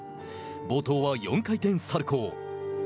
冒頭は４回転サルコー。